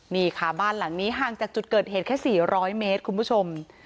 นี่ค่ะบ้านหลังนี้ห่างจากจุดเกิดเหตุแค่๔๐๐เมตรคุณผู้ชม